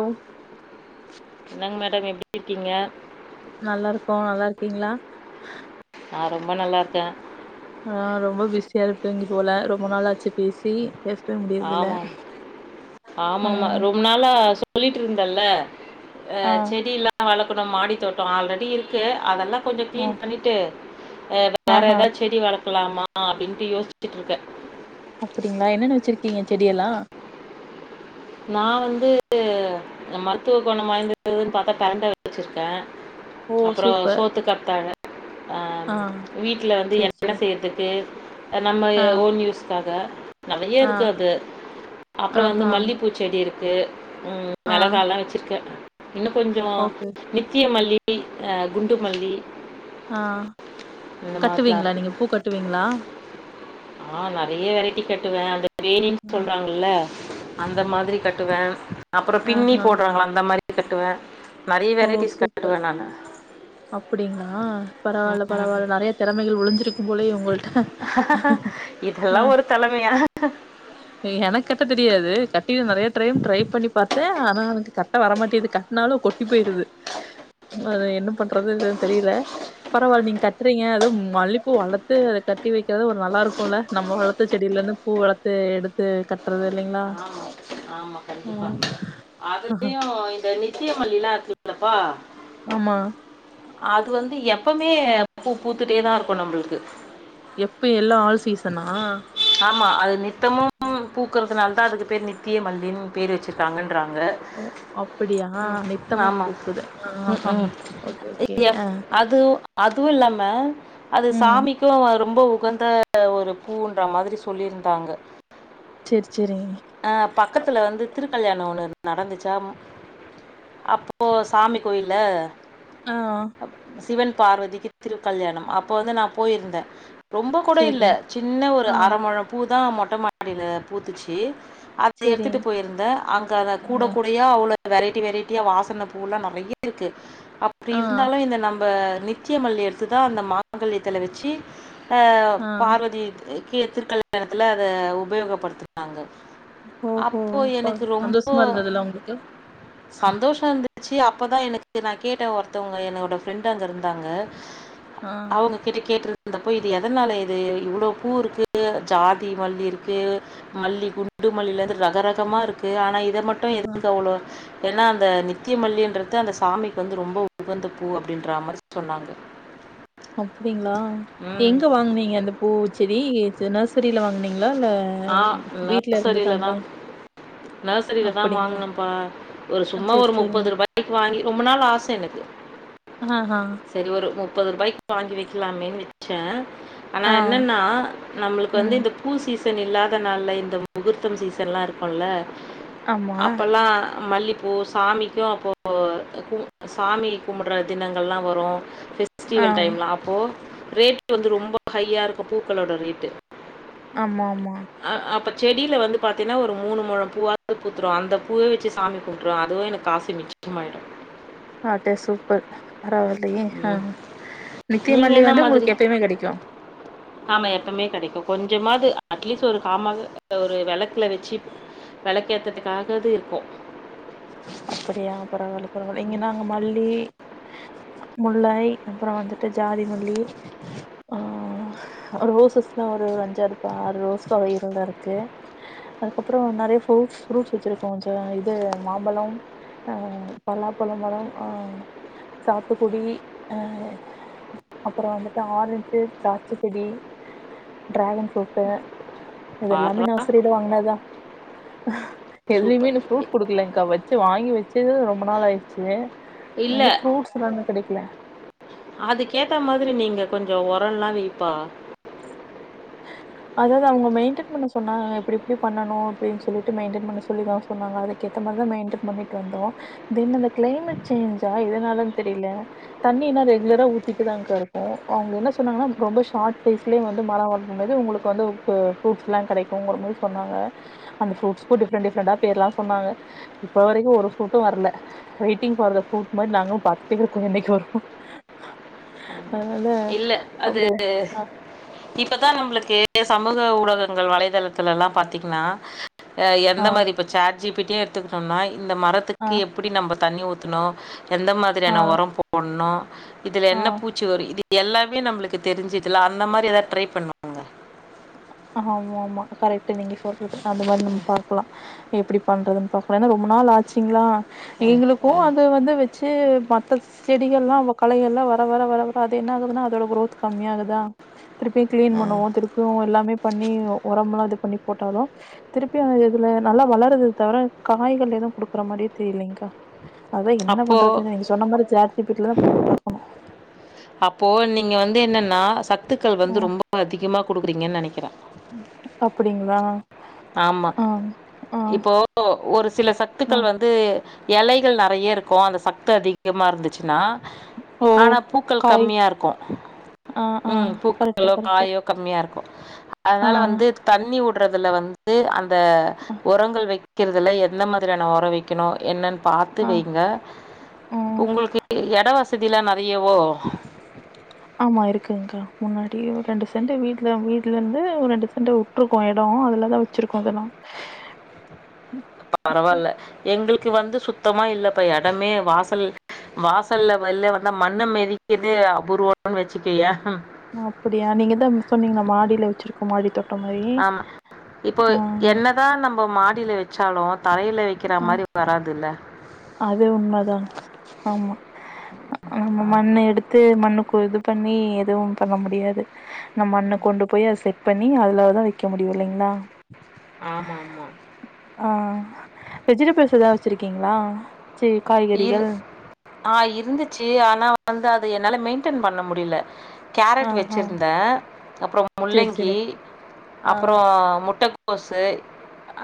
ஓ என்னெங்க மேடம் எப்டி இருக்கீங்க நல்லா இருக்கோ நல்லா இருக்கீங்களா நா ரொம்ப நல்லாருக்கே ஆ ரொம்ப பிஸியா இருப்பீங்க போல ரொம்ப நாளாச்சு பேசி யஸ் ஆமாம் ஆமாமா ம் ரொம்ப நாள சொல்லிட்டு இருந்தல்ல ஆ அஹ் செடியில்லா வள மாடித்தோட்டம் ஆல்ரெடி இருக்கு அதெல்லாம் கொஞ்சம் ஆ கிளீன் பண்ணிட்டு வேற ஆஹா ஏதாவது செடி வளர்க் போலாமா அப்டின்ட்டு யோசிச்சுட்டுருக்கேன் அப்படிங்களா என்ன என்ன வச்சிருக்கீங்க செடியெல்லாம் நான் வந்து மருத்துவ கோணம் வாய்ந்ததுன்னு பார்த்தா பெரண்ட வச்சிருக்கேன் ஓ அப்புறம் சூப்பர் சோத்து கத்தாழ அஹ் ஆ வீட்டுல வந்து செரி எண்ண செரி செய்யறதுக்கு நம்ம ஆ ஓன் யூஸ்க்காக நெறைய ஆ இருக்கு அது அப்புறோம் வந்து ஆஹா மல்லி செடியிருக்கு உஹம் ஆ மிளகால எல்லா வச்சிருக்கேன் இன்னும் கொஞ்சம் ஓகே நித்திய மல்லி குண்டு மல்லி ஆஹ் இந்த மாதிரிலாம் கட்டுவீங்களா நீங்க பூ கட்டுவீங்களா ஆஹ் நெறைய வெரைட்டி கட்டுவேன் வேணின் ஆ சொல்றாங்கல்ல அந்த மாதிரி கட்டுவேன் அப்புறம் பின்னி ஆஹா போடுறாங்கள அந்த மாதிரி கட்டுவேன் நெறைய வெரைட்டிஸ் கட்டிருவேன் நானு அப்படிங்களா பரவால்ல பரவால நெறைய திறமைகள் ஒளிஞ் க்கு போலே உங்கள் இதெல்லாம் ஒரு தலைமையா ஹ ஏய் எனக்கு கட்ட தெரியாது கட்ட நிறைய டைம் ட்ரை பண்ணி பார்த்தேன் ஆனா எனக்கு கட்ட வரமாட்டேது கட்டினாலும் கொட்டி போயிருது என்ன பண்றதுனு தெரியல பரவலா நீங்க கட்றிங்க அதுவும் மல்லிப்பூ வளர்த்து கட்டி வைக்கிறது ஒரு நல்லா இருக்கும்ல நம்ம வளர்த்த செடியில இருந்து பூ இத எடுத்து கட்டுறது இல்லைங்களா ஆமா, ஆமா ஆ கண்டிப்பா அதுலயும் இந்த நித்தயமல்லி இருக்குல ஏப்பா ஆமா அது வந்து எப்பமே பூ பூத்துட்டே தான் இருக்கும் நம்மளுக்கு எப்ப எல்லாம் ஆல் சீசனா ஆமா அது நித்தமும் பூக்குறதுனால அதுக்கு பேர் நித்திய மல்லின் பேர் வச்சிருக்காங்க ஓ அப்படியா நித்தமும் ஆமா பூக்குது ஆஹா ஓகே ஓகே ஆ அது அதுவும் இல்லாம அது ம் சாமிக்கும் ரொம்போ உகந்த ஒரு பூ மாதிரி சொல்லியிருந்தாங்க சேரி சேரிங்க அஹ் பக்கத்துல வந்து திரு கல்யாணம் ஒண்ணு நடந்துச்சா அப்போ சாமி கோயில்ல ஆஹ் சிவன் பார்வதிக்கு திருக்கல்யாணம் அப்ப வந்து நான் போயிருந்தேன் ரொம்ப கூட இல்ல சேரி சின்ன ஒரு ஆ அரைமொளம் பூ தான் மொட்டை மாடியில பூத்துச்சு அதை சேரி எடுத்துட்டு போயிருந்தேன் அங்க அத கூட ஆ கூடையா அவ்வளவு வெரைட்டி வெரைட்டியா வாசனை பூவெல்லாம் நெறைய இருக்கு அப்படி ஆ இருந்தாலும் இந்த நம்ம நித்திய மல்லி எடுத்து தான் அந்த மாங்கல்யத்தில வச்சு ஆ பார்வதி எத்தர் கல்யாணத்துல அதை உபயோகப்படுத்துனாங்க ஓ ஹோ சந்தோசமா இருந்ததுல்ல உங்களுக்கு ச்ச அப்பதான் எனக்கு நான் கேட்டேன் ஒருத்தவங்க என்னோட ஃப்ரெண்ட் அங்க இருந்தாங்க ஆ அவங்க கிட்ட கேட்டு அங்க போய் இது எதனால இது இவ்வளோ பூ இருக்கு ஜாதி மல்லி இருக்கு மல்லி குண்டு மல்லியில இருந்து ரகரகமா இருக்கு ஆனா இது இதை மட்டும் ஆ எதுக்கு அவ்வளோ ஏன்னா அந்த நித்தியமல்லின்றது அந்த சாமிக்கு வந்து ரொம்ப உகந்த பூ அப்படின்ற மாதிரி சொன்னாங்க அப்படிங்களா ம். எங்க வாங்கனீங்க அந்த பூ செரி இது நர்சரில வாங்னீங் ஆ நர்சரில தா நர்சரில தா அப்டிங்களா வாங்னப்பா ஒரு ஆ சும்மா சேரி ஒரு முப்பது சேரிங்க ரூபாய்க்கு வாங்கி ரொம்ப நாள் ஆச எனக்கு ஆஹா செரி ஒரு மு முப்பது ரூபாய்க் வாங்கி வெக்கலாமேனு வெச்ச ஆனா ஆ என்னன்னா நம்மளுக்கு வந்து ம் இந்த பூ சீசன் சீசன் இல்லாத நாள்ல இந்த முகூர்த்தம் சீசன்லாம் இருக்கும்ல ஆமா அப்பல்லா மல்லிப் ஓ சாமிக்கும் அப்போ கூ சாமி கும்டுற தினங்கள்லா வரும் ஆ ஃபெஸ்டிவல் டைம்லா அப்போ ரேட் வந்து ரொம்ப ஹையாருக்கும் பூக்களோட ரேட்டு ஆமாம்மா செடியில வந்து பாத்தேனா ஒரு மூணு முழோ பூவாவது பூத்துரும் அந்த பூவே வச்சு சாமி கும்ட்டுருவ அதுவே எனக் காசு மிச்சமாய்டும் ஆட்டே சூப்பர் பரவாலையே ஆ ம் நீங்கள் நித்தியமல்லி என்ன வந்து உங்ளுக் மாதிரி எப்பயுமே கெடைக்கும் ஆமா எப்பமே கெடைக்கும் கொஞ்சமாது அட்லீஸ்ட் ஒரு காமக ஒரு விளக்குல வச்சி விளக்க ஏத்ததுக்காகாது இருக்கும் அப்படியா பரவால பரவால இங்க நாங்க மல்லி முல்லை அப்றோ வந்துட்டு ஜாதிமல்லி ஆ ரோசஸ் லா ஒரு அஞ்சாறு ஆறு ரோஸ் அதுல இருந்தருக்கு அதுக்கப்றோ நறைய ஃப்ரூட்ஸ் ஃப்ரூட்ஸ் வச்சிருக்கோ கொஞ்சோ இது மாம்பழோ அ பலாப்பழோ மரோ ஆ சாத்துக்குடி அ அப்றோ வந்துட்டு ஆரஞ்சு திராட்ச செடி டிராகன் ஃப்ரூட்டு் இதெல்லாமே பார்றா! நர்சரித் வாங்னத் தா எதுலயுமே சூப்பர். இன்னு இ ஃப்ரூட் குடுக்லேங் கா வச்சு வாங்கி வச்சது ரொம்ப நாள் ஆய்டுச்சு இல்ல. எங்க ஃப்ரூட்ஸ் எல்லாமே கெடைக் இல்ல அதுக்கேத்த மாதிரி நீங்க கொஞ்சோ ஒரோலா வைப்பா அதாவது அவுங்க மெயின்டன் பண்ண சொன்னாங்க எப்டெப்டி பண்ணணு அப்டின் சொல்லிட்டு மெயின்டன் பண்ண சொல்லி தா சொன்னாங்க அதுக்கேத்த மாரி தா மெயின்டன் பண்ணிட்டு வந்தோ தென் அந்த கிளைமேட் சேஞ்சா எதுனாலனு தெரில தண்ணினா ரெகுலரா ஊத்திட்டுதாங்க கா இருக்கோ அவுங்க என்ன சொன்னாங்கன்னா ரொம்ப ஷார்ட் சைஸ்லயே வந்து மரோ வளத் இன்னது உங்ளுக்கு வந்து உப்பு ஃப்ரூட்ஸ்லா கெடைக்கும்ங்கற மாரி சொன்னாங்க அந்த ஃப்ரூட்ஸ்க்கும் டிஃபரண்ட் டிஃபரண்டா பேரு லா சொன்னாங்க இப்போ வரைக்கும் ஒரு ஃப்ரூட்டும் வர்ல வெயிட்டிங் பார் த ஃப்ரூட் மாரி நாங்களும் பாத்துட்டே இருக்கோ என்னக்கி வரு அ இல்ல அது இப்பதா நம்ளுக்கு சமூக ஊடகங்கள் வலைதளத்துலலா பாத்தீங்னா எ ஆ எந்த மாரி இப்ப சாட் ஜி பி டியே எடுத்துக்கிட்டோனா இந்த ஆ மரத்துக்கு எப்டி நம்பத் தண்ணி ஊத்துனோ எந்த ஆ மாதிரியான ஒரோ போட்ணு இதுல ஆ என்ன பூச்சி வரு இது எல்லாமே நம்மளுக்கு தெருஞ்சுதுல்லா அந்த மாரி எதாவது ட்ரை பண்ணுங்க ஆமா ஆமா கரெக்ட்டு நீங்க ஃபோர் அந்த மாரி நம்ம பாக்கலா எப்டி பண்றதுன் பாக்கலா ஏன்னா ரொம்ப நாள் ஆச்சுங்களா எங்ளுக்கும் அது வந்து வெச் த்து மத்து செடிகல்லா களையெல்லா வர வர வர வர அது என்ன ஆகுதுன்னா அதோட குரோத் கம்மியாகுதா திருப்பி கிளீன் பண்ணுவோ திருப்பியு எல்லாமே பண்ணி ஒரமெல்லா இது பண்ணி போட்டாலு திருப்பியு இதுல நல்லா வளருது தவுர காய்கள் எதுவு குடுக்குற மாரியே தெரிலிங்கா அதா என்ன அப்போ பண்றதுன்னு நீங்க சொன்ன மாரி சேட் ஜீபீட்டிலதா போட்டு பாக்கணு அப்போ நீங்க வந்து என்னன்னா சத் சத்துக்கள் வந்து ம் ரொம்ப அதிகமா குடுக்குறீங்கன் நெனைக் அப்டிங்களா ஆமா. ஆ ஆ இப்போ ஒரு சில ஆ சத்துக்கள் வந்து எலைகள் நறைய இருக்கு அந்த சத்து அதிகமா இருந்துச்சுன்னா ஓ ஆனா பூக்கள் காய் கம்மியா இருக்கு ஆ ஆ ம் கரெக்ட்டு பூக்களோ கரெக்ட்டு காயோ கம்மியா இருக்கு ஆ அதனால வந்து தண்ணி உட் க்குறதுல வந்து அந் இந்த ஒரங்கள் வெக் வெக்கிறதுல எந்த மாதிரியான ஒரோ வெக்கணு என்னன் பாத்து ஆ வெயிங்க ம் உங்களுக்கு எடோ வசதி இல்லனா அறியவோ ஆமா இருக்குங்க்கா முன்னாடி ஒரு ரெண்டு செண்டு வீட்ல வீட்ல இருந்து ஒரு ரெண்டு செண்டு உட்ருக்கோ எடோ அதுலதா வெச்சுருக் பரவால்ல எங்களுக் க்கு வந்து சுத்தமா இல்லப்பா எடமே வாசல் வாசல்ல வெள்ல வந்தா மண்ண மிதிக்குறது அபூர்வோன் வெச்சுக்கோயே அப்டியா நீங்கதா சொன்னீங்களாமா மாடில வெச்சுருக் க்கு மாடி தோட் ஆமா இப்போ என்னதா நம்ப மா தொட்டில வெச்சாலு தரையில வெக்கிற ஆ மாரி வராதுல்ல அது உண்மதான் ஆமா ஆமா ஆ மண்ண எடுத்து மண்ணு கோ இது பண்ணி எதுவும் பண்ண முடியாது நா மண்ணு கொண்டு போயி அத செட் பண்ணி அதுலதான் வைக்க முடியும் இல்லைங்களா ஆமாமா. ஆ வெஜிடபிள்ஸ் எதா வச்சிருக்கீங்களா செரி இரு காய்கறிகள் ஆ இருந்துச்சு ஆனா வந்து அத என்னால மெயின்டன் பண்ண முடில ஆ கேரட் ஆ வச்சிருந்தேன் அப்புறம் செரி செரி முள்ளங்கி ஆ அப்புறம் முட்டக் கோசு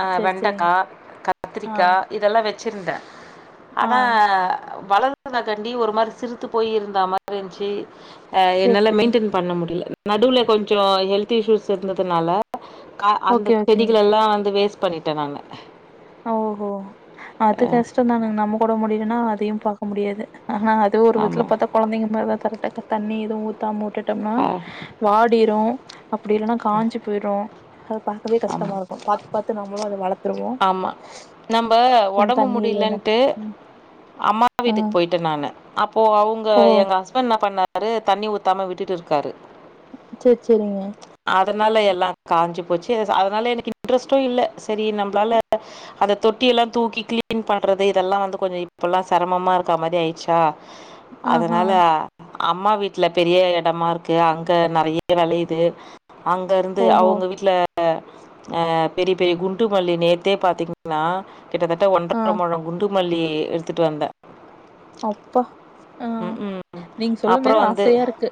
ஆ செரி செரிங்க வெண்டக்கா ஆ கத்திரிக்கா இதெல்லாம் வச் சிருந்த ஆ அதான் வளறது [inaudible] காண்டி ஒரு மாரி சிருத்து போயி இருந்தா மாரி இந்ச்சி உ செரி என்னால செரிங்க மெயின்டென் பண்ண முடியல நடுவுல கொஞ்சோ ஹெல்த் இஷ்யூஸ் இருந்ததுனால கா அந்த ஓகே ஓகே செடிகளெல்லாம் வந்து வேஸ்ட் பண்ணிடேன் நானு ஆ ஓஹோ அது கஷ்டோ தாங்க நம்ம போட முடியும்னா அதையும் பாக்க முடியாது ஆனா அது ஒரு வித்துல ஆமா. பாத்தா கொழந்தைங்க மாரிதான் தெரி தக்க தண்ணி எதுவும் ஊத்தாம உட்டுட் டோம்னா அ வாடிரு அப்பிடி இல்லனா காஞ்சி போயிருமா அத பாக்கவே ஆமா. கஷ்டமா இருக்கும் பாத் பாத் அடுத்து நம்பளும் அத வளத் துருவோம் ஆமா நம்ப ஒடம்பு இல்லைன்னா முடியலன்ட்டு ம் அம்மா ஆ வீட்டுக்கு போயிட்டே நானு அப்போ அவுங்க ஓ கோ எங்க ஹஸ்பண்ணா பண்ணாரு தண்ணி ஊத்தாம விட்டுட்டு இருக்காரு சேர் செரிங்க அதனால எல்லாம் காஞ்சி போச்சு அதனால எனக்கு இன்ட்ரெஸ்ட்டும் இல்ல சரி நம்ம னால அந்த தொட்டிய எல்லாம் தூக்கி கிளீன் பண்றது இதெல்லாம் வந்து கொஞ்சம் இப்பல்லாம் செரமமா இருக்க மாரி ஆயிடுச்சா ஆஹா அதனால அம்மா வீட்டுல பெரிய எடமா இருக்கு அங்க நெறைய வெளையுது அங்க இருந்து ஓஹோ அவுங்க வீட்டுல அ பெரிய பெரிய குண்டு குண்டு மல்லி நேத்தே பாத்தீங்கன்னா கிட்டத்தட்ட ஆ ஒன்றர மொழம் குண்டு மல்லி குண்டு மல்லி எடுத்துட்டு வந்தேன் அப்பா ஆஹ் ம். நீங்க சொல்லும் போது அப்புறம் வந்து ஆசையா இருக்கு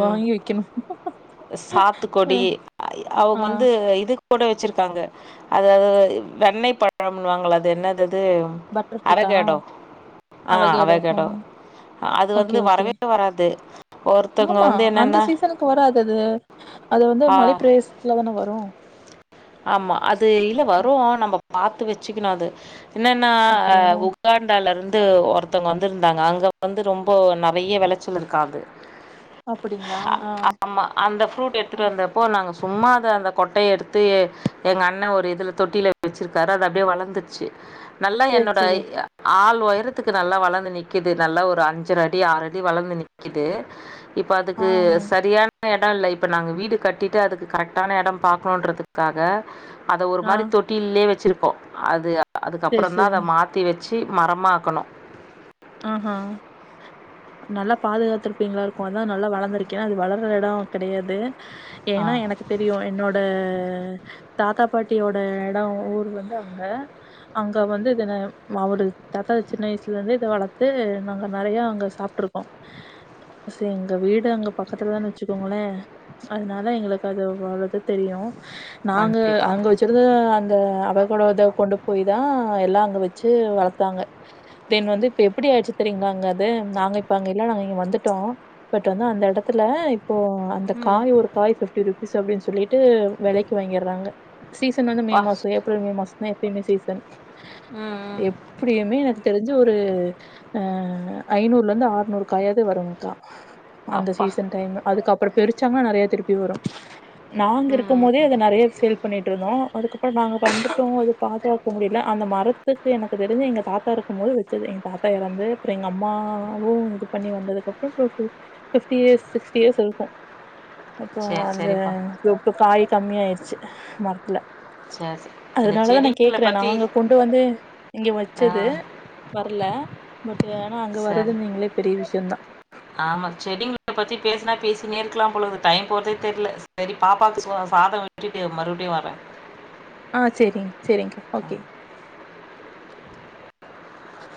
ம். வாங்கி வைக்கணும் சாத்துக்கொடி அஹ் ஆஹ் தோட்டோம் வச்சிருக்காங்க அதாவது வெண்ணெய் பழவாங்கல அது என்னது அது? பட்டர் ஃபுருட்டா அவகேடோ. அவகேடோ உம் அது ஓகே வந்து ஓகே வரவே வராது. ஒருத்தவங்க ஆமா வந்து அந்த என்னன்னா, சீசனுக்கு வராது அது அது வந்து ஆ மலைப்பிரதேசத்துல தானே வரும் ஆமா அது இல்ல வரும் நம்ப பாத்து வச்சுக்கணும் அது என்னன்னா அப்டிங்களா உக்காந்தாரு இருந்து வந்து ஒருத்தோங்க வந்து இருந்தாங்க அங்க வந்து ரொம்ப நெறைய வெளச்சல் இருக்காது அப்டிங்களா ஆ ஆமா அந்த ஃப்ரூட் ஆ எடுத்துட்டு வந்தப்போ நாங்க சும்மா அத நாங்க கொட்டைய எடுத்து எங்க அண்ணன் ஒரு இதுல தொட்டியில வச்சிருக்காரு அது அப்படியே வளர்ந்துச்சு நல்லா சேரி என்னோட சேரி ய ஆள் உயரத்துக்கு நல்லா வளர்ந்து நிக்குது நல்லா ஒரு அஞ்ஜிர அடி ஆறு அடி வளர்ந்து நிக்கிது இப்ப ஆ அதுக்கு ம். சரியான இடம்யில்ல இப்ப நாங்க வீடு கட்டிட்டு அதுக்கு கரெக்டான இடம் பார்க்கணும்ன்றதுகு க்காக அதை ஒரு ஆ மாதிரி தொட்டிலயே வச்சிருப் அது சேரி அதுக்கப்புறம் தான் அதை சேரிங்க மாத்தி வச் சி மரமாக்கணும் ஆஹ்ஹ நல்லா பாதுகாத்திருப்பீங்களா இருக்கும் அதான் நல்லா வளர்ந்திருகேன் அது வளர்த இடம் கிடையாது ஆ. ஏன்னா எனக்கு தெரியும் என்னோட தாத்தா பாட்டியோட இடம் ஊர் வந்து அங்க அங்க வந்து இதன அவரு தாத்தா சின்ன வயசுல இருந்தே இதை வளரக்க து நாங்க நிறைய அங்க சாப்பிட்டுருகோம் எங்க வீடு அங்க பக்கத்துலதான் வச்சுககோங்களேன் அதனால எங்களுக்கு அது வறது தெரியும் நாங்க கண்டிப்பா. அங்க வச்சது அந்த அவகோடத கொண்டு போய் தான் எல்லாம் ஒ வச்சி வளத்தாங்க தென் வந்து இப்ப எப்பிடி ஆயிடுசி தெரியுகளா அங்கது நாங்க இப்ப அங்க இல்ல நாங்க இங்க வந்துட்டோ பட் வந்து அந்த இடத்துல இப்போ அந்த ம். காய் ஒரு காய் பிப்டி ருபீஸ் அப்பிடின்னு சொல்லிட் ட்டு வெலைக்கு வாங்கிறாங்க சீசன் வந்து மே அப்பா. மாசோ ஏப்ரல் மே மாச நெ எப்பிமே சீசன் ம். ம். எப்புடியுமே எனக்கு தெரிஞ் சு ஒரு அ ஐநூறுல இருந்து ஆறநூறு காயாத வருங்க்கா அந்த அப்பா. சீசன் டைம் அதுக்கு அப்புறோ பெரு,, ச்சாங்கா நெறைய திருப்பி வரு நாங்கருக்கு ம் போதே அத நெறைய சேல் பண்ணிடுருந்தோ அதுக்கப்புறோ நாங்க வந்துடோ அது பாதுகாக்க முடியல அந்த மரத்துக்கு எனக்கு தெரிஞ்சி எங்கள் தாத்தா இருக்கு போது வச்சது எங்க தாத் ப்பா இறந்து அப்புறோ எங்க அம்மாவு இது பண்ணி வந்ததுகப்புறோ இயர்ஸ் சிக்ஸ்டி இயர்ஸ் இருக்கு அப்ப சரி அந்த சரிப்பா சப்பு காய் கம்மிய ஆயிடுச்சி மரத்துல சரி சரி. இந்த அதனாலதா நா செடிங்களை கேக்குறே பற்றி நாங்க கொண்டு வந்து இங்க வச்சது வரல மட் ஏனா அங்க வருது சரி நீங்களே பெரிய விஷயோதா சீனியேருக்கெல்லா போலது டைம் போகிறதே தெர்யில சரி பாப்பாவுக்கு சோ சாதம் விட்டிவிட்டு மறுபடியு வரே ஆ சேரிங்க சேரிங்க்கா ஓகே ச்